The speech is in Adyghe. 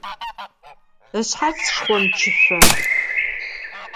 Ышъхьац шхъомчышъо.